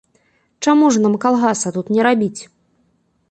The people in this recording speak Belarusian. Чаму ж нам калгаса тут не рабіць?